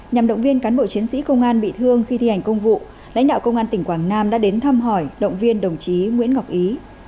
nhằm động viên cán bộ chiến sĩ công an bị thương khi thi hành công vụ lãnh đạo công an tỉnh quảng nam đã đến thăm hỏi động viên đồng chí nguyễn ngọc ý